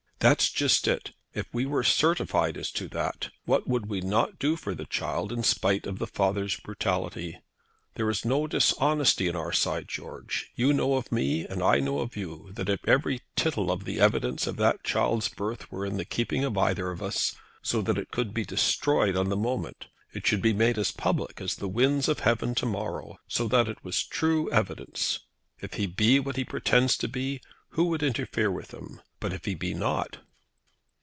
"That's just it. If we were certified as to that, what would we not do for the child in spite of the father's brutality? There is no dishonesty on our side, George. You know of me, and I know of you, that if every tittle of the evidence of that child's birth were in the keeping of either of us, so that it could be destroyed on the moment, it should be made as public as the winds of heaven to morrow, so that it was true evidence. If he be what he pretends to be, who would interfere with him? But if he be not?"